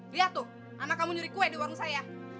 lihat tuh anak kamu nyuri kue di warung saya